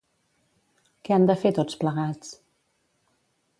Què han de fer tots plegats?